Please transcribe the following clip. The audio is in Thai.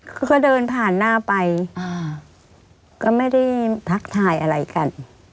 ก็เดินผ่านหน้าไปก็ไม่ได้ทักทายอะไรกัน